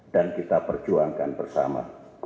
dan kita perjuangkan bersama